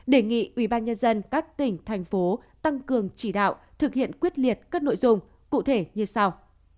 đề nghị ubnd các tỉnh thành phố tăng cường chỉ đạo thực hiện quyết liệt các nội dung cụ thể như sau